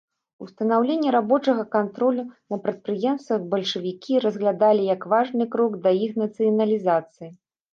Устанаўленне рабочага кантролю на прадпрыемствах бальшавікі разглядалі як важны крок да іх нацыяналізацыі.